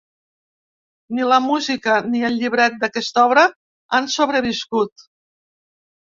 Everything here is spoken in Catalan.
Ni la música ni el llibret d'aquesta obra han sobreviscut.